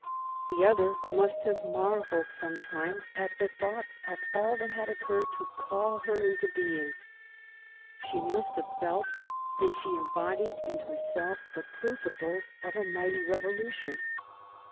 The other must have marvelled sometimes at the thoughts of all that had occurred to call her into being ; she must have felt that she embodied in herself the principles of a mighty revolu tion.